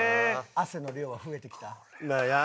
汗の量は増えてきた？